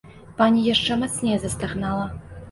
Пані яшчэ мацней застагнала.